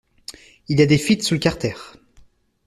Il y a des fuites sous le carter.